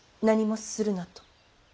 何もするなと。